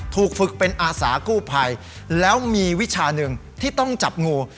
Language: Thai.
ถูกฝึกเป็นอาสากู้ภัยแล้วมีวิชาหนึ่งที่ต้องจับงู